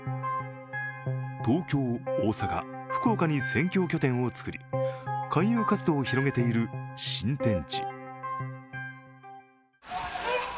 東京、大阪、福岡に宣教拠点を作り勧誘活動を広げている新天地。